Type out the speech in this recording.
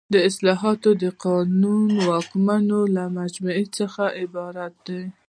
صلاحیت د قانوني واکونو له مجموعې څخه عبارت دی.